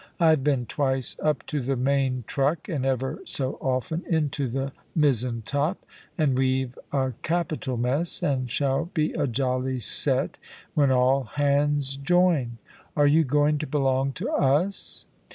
I've been twice up to the main truck, and ever so often into the mizen top, and we've a capital mess, and shall be a jolly set when all hands join. Are you going to belong to us?"